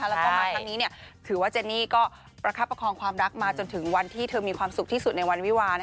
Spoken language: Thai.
แล้วก็มาครั้งนี้ถือว่าเจนี่ก็ประคับประคองความรักมาจนถึงวันที่เธอมีความสุขที่สุดในวันวิวา